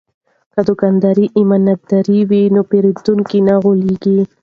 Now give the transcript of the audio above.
که دوکاندار ایماندار وي نو پیرودونکی نه غولیږي.